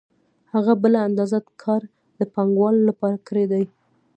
هغه بله اندازه کار د پانګوال لپاره کړی دی